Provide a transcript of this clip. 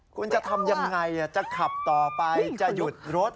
คุณจะทำยังไงจะขับต่อไปจะหยุดรถ